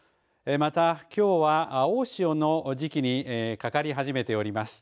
また、きょうは大潮の時期にかかり始めております。